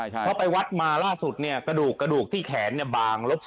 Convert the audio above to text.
พอไปวัดมาล่าสุดเนี่ยกระดูกที่แขนเนี่ยบางลบ๐๒